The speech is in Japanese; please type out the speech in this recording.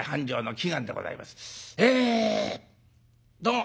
「えどうも。